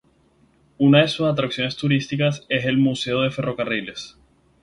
Una de sus atracciones turísticas es el Museo de Ferrocarriles.